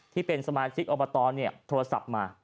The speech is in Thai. ที่เป็นสมาชิกอบตโทรศัพท์มา